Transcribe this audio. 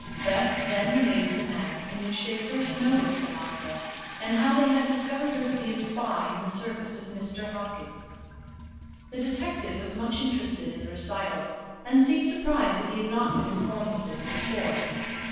Beth then related the manner in which they first noticed Eliza, and how they had discovered her to be a spy in the service of Mr. Hopkins. The detective was much interested in the recital and seemed surprised that he had not been informed of this before.